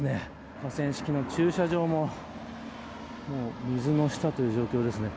河川敷の駐車場も水の下、という状況です。